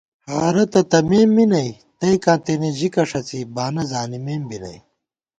ہارہ تہ تمېم می نئ، تئیکا تېنے ژِکہ ݭڅی بانہ زانِمېم بی نئ